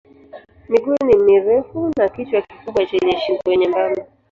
Miguu ni mirefu na kichwa kikubwa chenye shingo nyembamba.